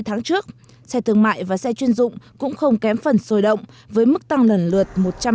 tháng trước xe thương mại và xe chuyên dụng cũng không kém phần sồi động với mức tăng lần lượt